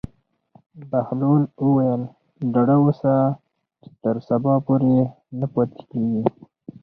بهلول وویل: ډاډه اوسه چې تر سبا پورې نه پاتې کېږي.